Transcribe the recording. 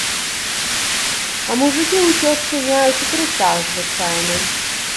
А мужыкі ўсё адчыняюць у трусах звычайна.